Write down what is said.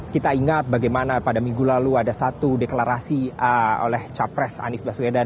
kita ingat bagaimana pada minggu lalu ada satu deklarasi oleh capres anies baswedan